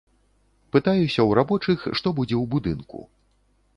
Пытаюся ў рабочых, што будзе ў будынку.